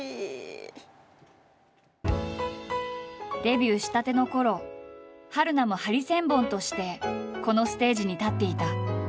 デビューしたてのころ春菜もハリセンボンとしてこのステージに立っていた。